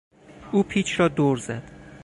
او پیچ را دور زد.